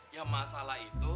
ya masalah itu